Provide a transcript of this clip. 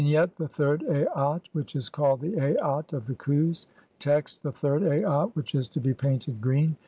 Vignette : The third Aat ^, which is called "the Aat of the Khus". Text : (1) The third Aat [which is to be painted] green.